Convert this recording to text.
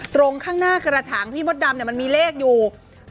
ตรงข้างหน้ากระถางพี่มดดำมันมีเลขอยู่